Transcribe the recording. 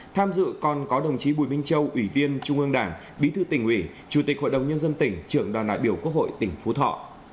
tham dự còn có đồng chí bùi minh châu ủy viên trung ương đảng bí thư tỉnh ủy chủ tịch hội đồng nhân dân tỉnh trưởng đoàn đại biểu quốc hội tỉnh phú thọ